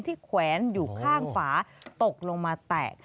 แขวนอยู่ข้างฝาตกลงมาแตก